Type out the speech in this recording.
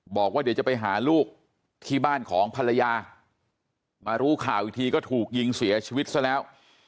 บอกว่าเดี๋ยวจะไปหาลูกที่บ้านของภรรยามารู้ข่าวอีกทีก็ถูกยิงเสียชีวิตซะแล้ว